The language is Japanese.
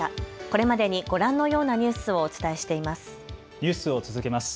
これまでにご覧のようなニュースをお伝えしています。